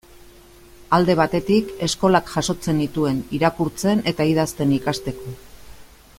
Alde batetik, eskolak jasotzen nituen, irakurtzen eta idazten ikasteko.